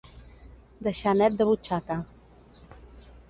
Deixar net de butxaca.